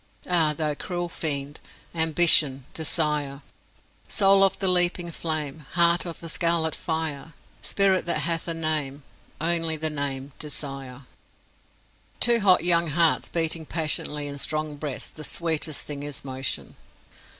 Ah, thou cruel fiend Ambition! Desire! "Soul of the leaping flame, Heart of the scarlet fire, Spirit that hath for name Only the name Desire!" To hot young hearts beating passionately in strong breasts, the sweetest thing is motion.